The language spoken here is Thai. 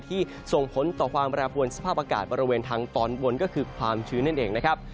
ส่งผลต่อความแปรปวนสภาพอากาศบริเวณทางตอนบนก็คือความชื้นนั่นเองนะครับ